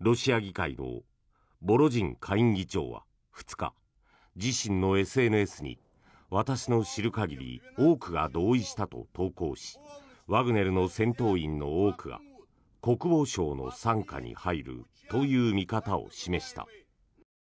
ロシア議会のボロジン下院議長は２日自身のＳＮＳに、私の知る限り多くが同意したと投稿しワグネルの戦闘員の多くが国防省の傘下に入るという見方を示した。